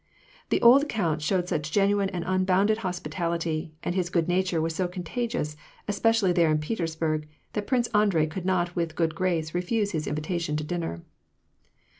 The old count showed such genuine and unbounded hospitality, and his good nature was so contagious, especially there in Petersburg, that Prince Andrei could not with good grace refuse his invitation to dinner.